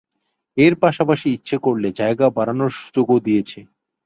এর পাশাপাশি ইচ্ছে করলে জায়গা বাড়ানোর সুযোগও দিয়েছে।